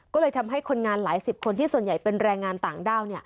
ก็เลยทำให้คนงานหลายสิบคนที่ส่วนใหญ่เป็นแรงงานต่างด้าว